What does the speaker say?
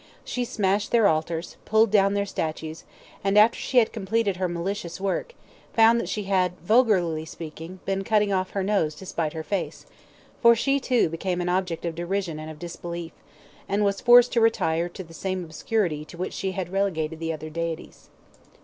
She smashed their altars, pulled down their statues, and after she had completed her malicious work, found that she had, vulgarly speaking, been cutting off her nose to spite her face, for she, too, became an object of derision and of disbelief, and was forced to retire to the same obscurity to which she had relegated the other deities.